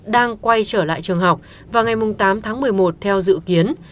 đang quay trở lại trường học vào ngày tám tháng một mươi một theo dự kiến